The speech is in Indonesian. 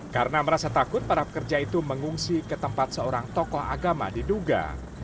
karena merasa takut para pekerja itu mengungsi ke tempat seorang tokoh agama di duga